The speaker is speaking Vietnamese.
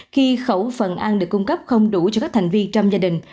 khi khẩu phần ăn được cung cấp không đủ cho các thành viên trong gia đình